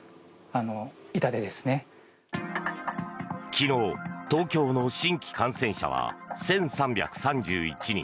昨日東京の新規感染者は１３３１人。